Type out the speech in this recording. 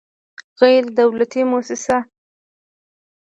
غیر دولتي موسسه